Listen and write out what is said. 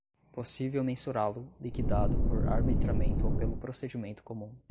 possível mensurá-lo, liquidado por arbitramento ou pelo procedimento comum